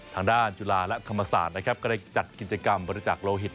ทางด้านจุฬาและธรรมศาสตร์นะครับก็ได้จัดกิจกรรมบริจักษ์โลหิต